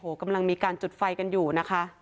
กำลังมีการจุดไฟกันอยู่นะคะ